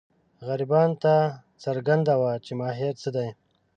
غربیانو ته څرګنده وه چې ماهیت څه دی.